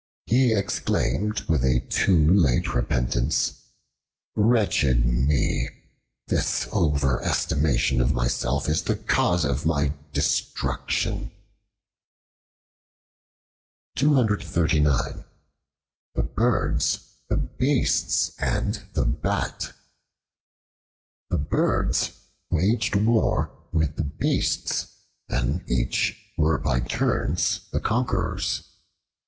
He exclaimed with a too late repentance, "Wretched me! this overestimation of myself is the cause of my destruction." The Birds, the Beasts, and the Bat THE BIRDS waged war with the Beasts, and each were by turns the conquerors.